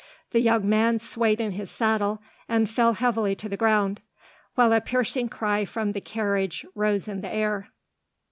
The young man swayed in his saddle, and fell heavily to the ground, while a piercing cry from the carriage rose in the air.